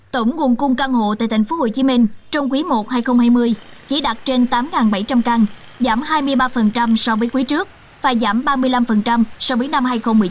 tổng nguồn cung căn hộ tại tp hcm trong quý i hai nghìn hai mươi chỉ đạt trên tám bảy trăm linh căn giảm hai mươi ba so với quý trước và giảm ba mươi năm so với năm hai nghìn một mươi chín